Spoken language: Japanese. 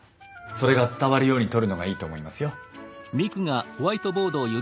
それが伝わるように撮るのがいいと思いますよ。